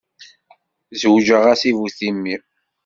Zewǧeɣ-as i bu timmi.